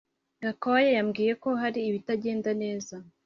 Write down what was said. Gakwaya yambwiye ko hari ibitagenda neza